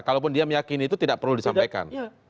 kalaupun dia meyakini itu tidak perlu disampaikan